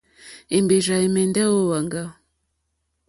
Èmbèrzà ɛ̀mɛ́ndɛ́ ó wàŋgá.